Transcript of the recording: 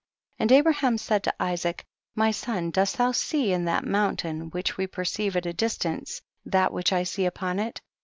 43. And Abraham said to Isaac, my son dost thou see in that moun tain, which we perceive at a distance, that which I see upon it